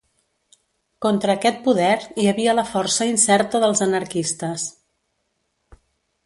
Contra aquest poder hi havia la força incerta dels anarquistes